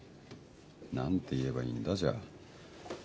何て言えばいいんだじゃあ。